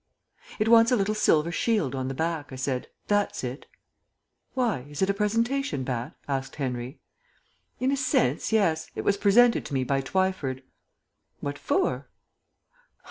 "It wants a little silver shield on the back," I said. "That's it." "Why, is it a presentation bat?" asked Henry. "In a sense, yes. It was presented to me by Twyford." "What for?"